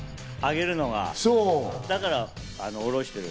だから下ろしてる？